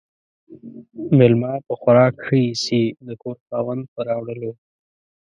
ميلمه په خوراک ِښه ايسي ، د کور خاوند ، په راوړلو.